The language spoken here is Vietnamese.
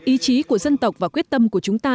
ý chí của dân tộc và quyết tâm của chúng ta